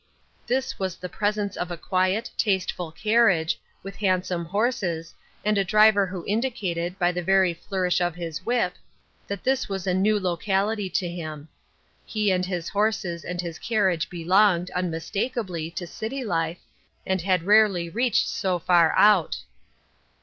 This was the presence of a quiet, tasteful carriage, with handsome horses, and a driver who indicated, by the very flourish of his whip. 280 Ruth ErsHne's Crosses. that this was a new locality to him. He and hia horses and his carriage belonged, unmistakably, to city life, and had rarely reached so far out.